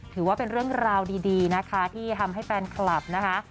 ถือว่าเป็นเรื่องราวดีนะคะที่ทำให้แฟนคลับนะคะ